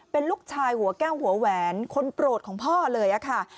เป็นลูกชายหัวแก้วหัวแหวนคนโปรดของพ่อเลยค่ะ